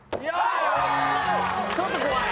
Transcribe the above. ちょっと怖い。